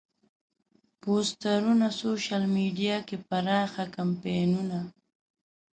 پوسترونه، سوشیل میډیا کې پراخ کمپاینونه.